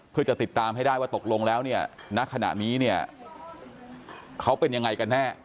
เพื่อจะติดตามให้ได้ว่าตกลงแล้วเนี่ยณขณะนี้เนี่ยเขาเป็นยังไงกันแน่